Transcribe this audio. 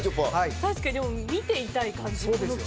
確かに見ていたい感じ。